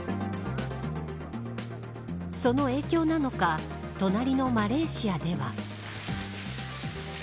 その影響なのか隣のマレーシアでは。